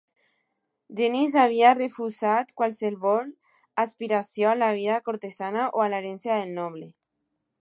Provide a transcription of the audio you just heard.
Genís havia refusat qualsevol aspiració a la vida cortesana o a l'herència del noble.